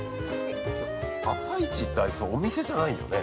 ◆朝市って、あいつお店じゃないんよね。